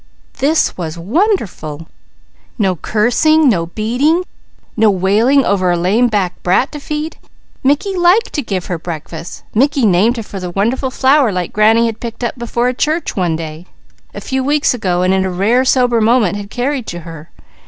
This was wonderful. No cursing! No beating! No wailing over a lame back brat to feed. Mickey liked to give her breakfast! Mickey named her for the wonderful flower like granny had picked up before a church one day, a few weeks ago and in a rare sober moment had carried to her.